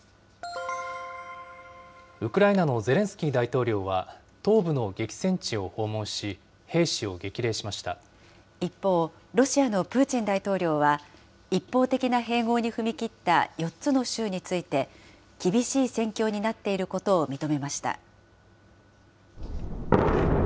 ウクライナのゼレンスキー大統領は、東部の激戦地を訪問し、一方、ロシアのプーチン大統領は、一方的な併合に踏み切った４つの州について、厳しい戦況になっていることを認めました。